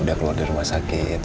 udah keluar di rumah sakit